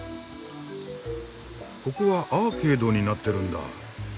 ここはアーケードになってるんだ。